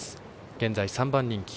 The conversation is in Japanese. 現在３番人気。